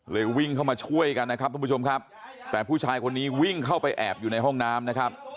วิ่งเข้ามาช่วยกันนะครับทุกผู้ชมครับแต่ผู้ชายคนนี้วิ่งเข้าไปแอบอยู่ในห้องน้ำนะครับ